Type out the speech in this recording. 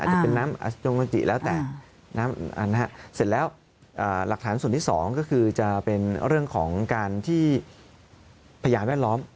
เสร็จแล้วหลักฐานส่วนที่๒ก็คือจะเป็นเรื่องของการที่พยายามแวดล้อม